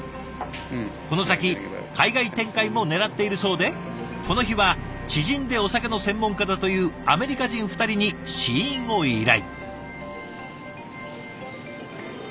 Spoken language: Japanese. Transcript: この先海外展開もねらっているそうでこの日は知人でお酒の専門家だというアメリカ人２人に試飲を依頼。